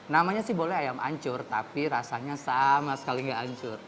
namanya sih boleh ayam ancur tapi rasanya sama sekali nggak hancur